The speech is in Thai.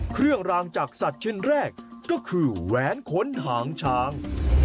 เครื่องรางจากสัตว์ชิ้นแรกก็คือแหวนค้นหางช้าง